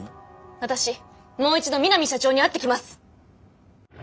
私もう一度三並社長に会ってきます。